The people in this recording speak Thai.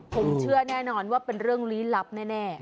ผมเชื่อแน่นอนว่าเป็นเรื่องลี้ลับแน่